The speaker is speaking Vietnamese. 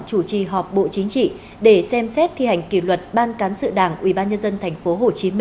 chủ trì họp bộ chính trị để xem xét thi hành kỷ luật ban cán sự đảng ubnd tp hcm